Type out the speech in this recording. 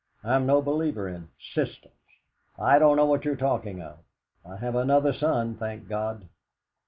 I'm no believer in systems! I don't know what you're talking of. I have another son, thank God!"